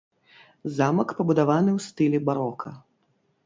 Замак пабудаваны ў стылі барока.